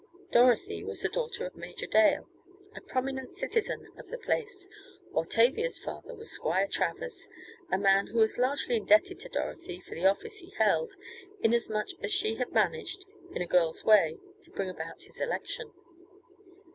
Dorothy was the daughter of Major Dale, a prominent citizen of the place, while Tavia's father was Squire Travers, a man who was largely indebted to Dorothy for the office he held, inasmuch as she had managed, in a girl's way, to bring about his election.